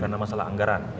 karena masalah anggaran